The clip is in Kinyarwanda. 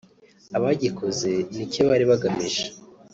abagikoze n ’icyo bari bagamije